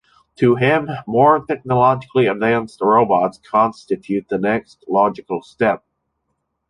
To him more technologically-advanced robots constitute the next logical step.